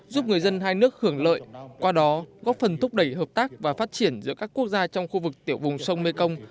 giúp người dân hai nước hưởng lợi qua đó góp phần thúc đẩy hợp tác và phát triển giữa các quốc gia trong khu vực tiểu vùng sông mekong